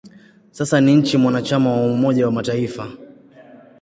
Sasa ni nchi mwanachama wa Umoja wa Mataifa.